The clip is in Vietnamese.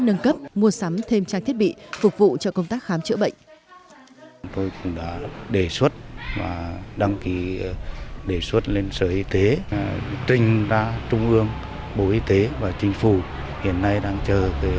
nâng cấp mua sắm thêm trang thiết bị phục vụ cho công tác khám chữa bệnh